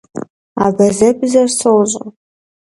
Abazebzer soc.